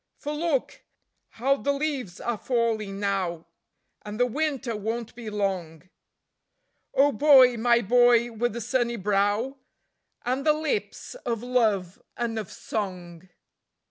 For look! How the leaves are falling now, and the winter won't be long. ... Oh boy, my boy with the sunny brow, and the lips of love and of song!